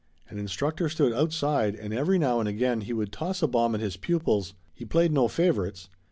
An instructor stood outside and every now and again he would toss a bomb at his pupils. He played no favorites.